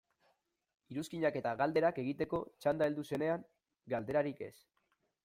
Iruzkinak eta galderak egiteko txanda heldu zenean, galderarik ez.